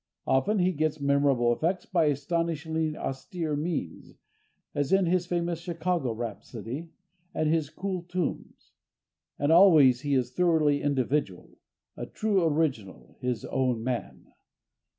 Often he gets memorable effects by astonishingly austere means, as in his famous "Chicago" rhapsody and his "Cool Tombs." And always he is thoroughly individual, a true original, his own man.